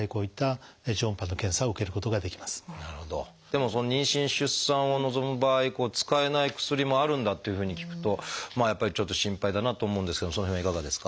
でも妊娠・出産を望む場合使えない薬もあるんだっていうふうに聞くとまあやっぱりちょっと心配だなと思うんですけどもその辺はいかがですか？